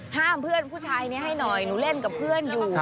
เพื่อนผู้ชายนี้ให้หน่อยหนูเล่นกับเพื่อนอยู่